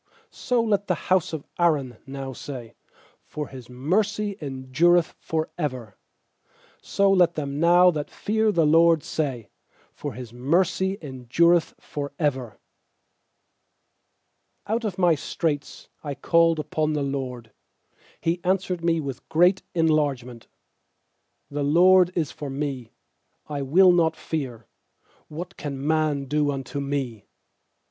8So let the bouse of Aaron now say, For His mercy endureth for ever. 4So let them now that fear the* LORD say, For His mercy endureth for ever. fiOut of my straits I called upon the LORD; He answered me with great en largement, i 6The LORD is forme; I will not fear; What can man do unto me?